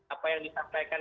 apa yang disampaikan